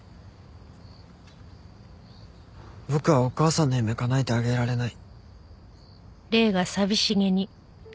僕はお母さんの夢かなえてあげられない。